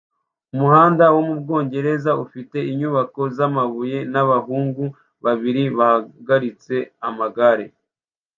Umuhanda wo mu Bwongereza ufite inyubako zamabuye nabahungu babiri bahagaritse amagare